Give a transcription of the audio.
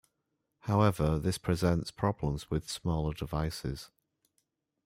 However, this presents problems with smaller devices.